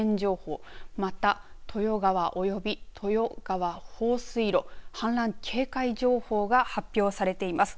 そして豊川及び豊川放水路氾濫警戒情報が発表されています。